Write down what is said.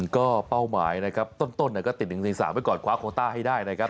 ก็เป้าหมายนะครับต้นก็ติด๑๔๓ไว้ก่อนคว้าโคต้าให้ได้นะครับ